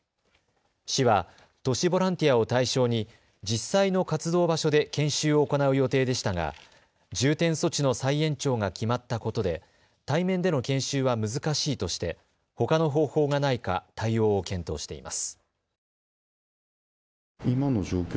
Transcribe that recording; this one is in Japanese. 市は都市ボランティアを対象に実際の活動場所で研修を行う予定でしたが重点措置の再延長が決まったことで対面での研修は難しいとしてほかの方法がないか対応を検討しています。